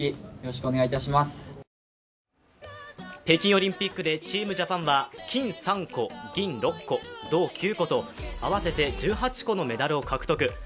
北京オリンピックでチームジャパンは金３個、銀６個、銅９個と合わせて１８個のメダルを獲得。